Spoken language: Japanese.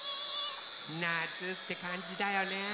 なつ！ってかんじだよね。